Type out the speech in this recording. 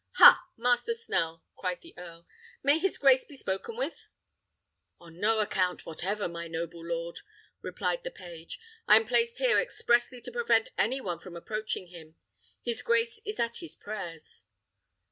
"Ha, Master Snell!" cried the earl; "may his grace be spoken with?" "On no account whatever, my noble lord," replied the page, "I am placed here expressly to prevent any one from approaching him: his grace is at his prayers."